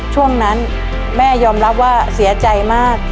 ช่วงนั้นแม่ยอมรับว่าเสียใจมาก